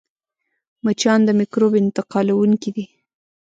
مچان د مکروب انتقالوونکي دي